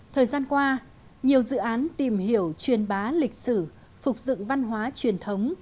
thời gian qua nhiều dự án tìm hiểu truyền bá lịch sử phục dựng văn hóa truyền thống